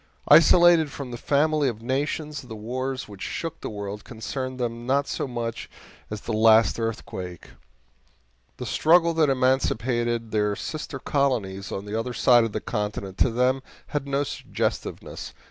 Isolated from the family of nations, the wars which shook the world concerned them not so much as the last earthquake; the struggle that emancipated their sister colonies on the other side of the continent to them had no suggestiveness.